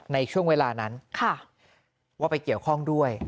ในช่วงเวลานั้นว่าไปเกี่ยวข้องด้วย